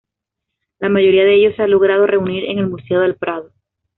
La mayoría de ellos se han logrado reunir en el Museo del Prado.